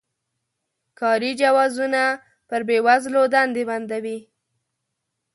کاري جوازونه پر بې وزلو دندې بندوي.